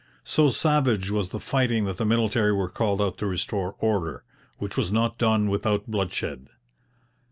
So savage was the fighting that the military were called out to restore order, which was not done without bloodshed.